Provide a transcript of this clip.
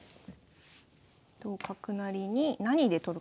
同角成に何で取るかですね。